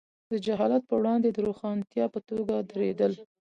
د جهالت پر وړاندې د روښانتیا په توګه درېدل.